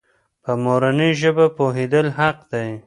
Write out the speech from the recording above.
په مورنۍ ژبه پوهېدل حق دی.